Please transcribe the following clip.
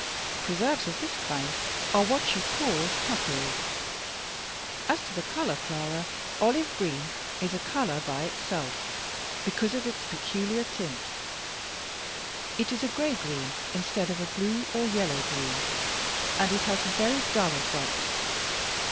Preserves of this kind are what you call 'puckery.' As to the color, Clara, 'olive green' is a color by itself, because of its peculiar tint. It is a gray green instead of a blue or yellow green, and it has a very dull effect.